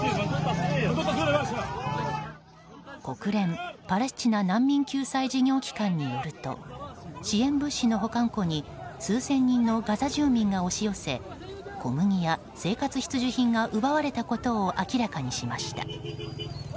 国連パレスチナ難民救済事業機関によると支援物資の保管庫に数千人のガザ住民が押し寄せ小麦や生活必需品が奪われたことを明らかにしました。